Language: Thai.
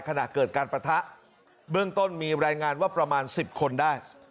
ขณะเกิดการปะทะเบื้องต้นมีรายงานว่าประมาณ๑๐คนได้